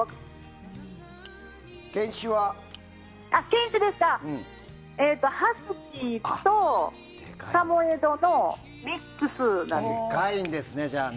犬種はハスキーとサモエドのミックスなんです。